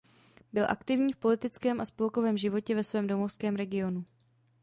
Byl aktivní v politickém a spolkovém životě ve svém domovském regionu.